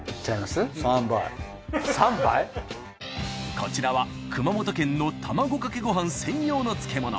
こちらは熊本県の卵かけごはん専用の漬物。